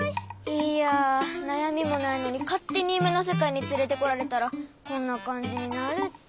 いやなやみもないのにかってにゆめのせかいにつれてこられたらこんなかんじになるって。